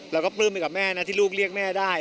ปลื้มไปกับแม่นะที่ลูกเรียกแม่ได้